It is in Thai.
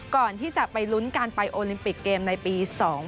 ก่อนที่จะไปลุ้นการไปโอลิมปิกเกมในปี๒๐